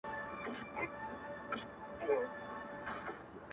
په خپل ژوند کي په کلونو ټول جهان سې غولولای,